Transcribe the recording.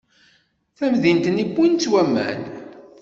Tamdint-nni wwin-tt waman!